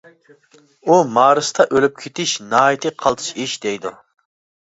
ئۇ «مارستا ئۆلۈپ كېتىش ناھايىتى قالتىس ئىش. » دەيدۇ.